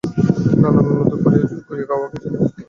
না না, অনুরোধে পড়িয়া জোর করিয়া খাওয়া কিছু নয়।